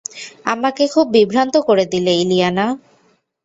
আমাকে খুব বিভ্রান্ত করে দিলে, ইলিয়ানা।